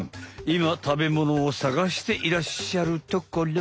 いま食べものをさがしていらっしゃるところ。